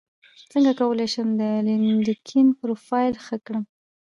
څنګه کولی شم د لینکیډن پروفایل ښه کړم